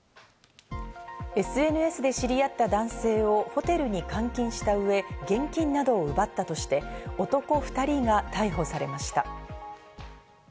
ＳＮＳで知り合った男性をホテルに監禁したうえ、現金などを奪ったとして男２人が逮捕されました。